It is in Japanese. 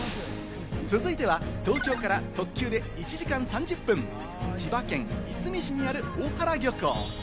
続いては東京から特急で１時間３０分、千葉県いすみ市にある大原漁港。